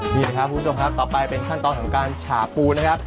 นี่นะครับคุณผู้ชมครับต่อไปเป็นขั้นตอนของการฉาปูนะครับ